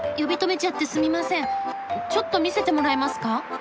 ちょっと見せてもらえますか？